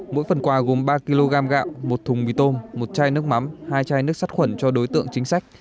mỗi phần quà gồm ba kg gạo một thùng mì tôm một chai nước mắm hai chai nước sắt khuẩn cho đối tượng chính sách